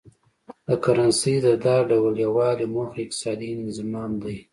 د کرنسۍ د دا ډول یو والي موخه اقتصادي انضمام دی.